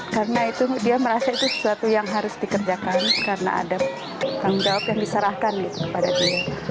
karena itu dia merasa itu sesuatu yang harus dikerjakan karena ada tanggung jawab yang diserahkan kepada dia